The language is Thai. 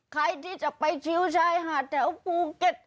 ใครที่จะไปชิวชายหาดแถวภูเก็ต